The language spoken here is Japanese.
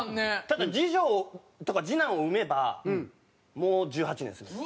ただ次女とか次男を産めばもう１８年住める。